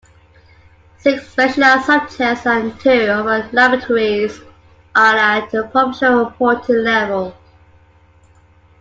Six specialized subjects and two of our laboratories are at the provincial-appointed level.